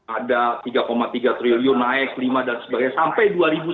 ada tiga tiga triliun naik lima dan sebagainya sampai dua ribu sembilan belas